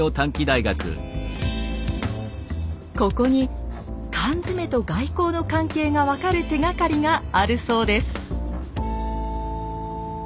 ここに缶詰と外交の関係が分かる手がかりがあるそうです。